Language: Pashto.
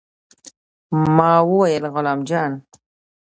ما وويل غلام جان.